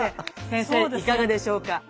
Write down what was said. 先生いかがでしょうか？